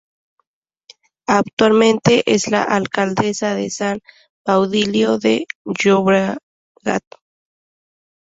Actualmente es la alcaldesa de San Baudilio de Llobregat.